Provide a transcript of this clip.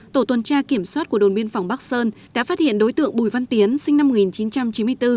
tổ tuần tra kiểm soát của đồn biên phòng bắc sơn đã phát hiện đối tượng bùi văn tiến sinh năm một nghìn chín trăm chín mươi bốn